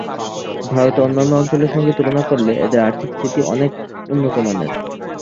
ভারতের অন্যান্য অঞ্চলের সঙ্গে তুলনা করলে এদের আর্থিক স্থিতি অনেক উণ্ণতমানের।